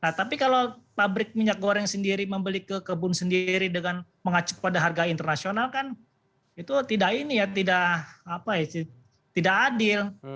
nah tapi kalau pabrik minyak goreng sendiri membeli ke kebun sendiri dengan mengacu pada harga internasional kan itu tidak ini ya tidak adil